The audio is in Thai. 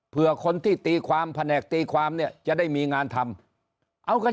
เพื่อคนที่ตีความแผนกตีความเนี่ยจะได้มีงานทำเอากัน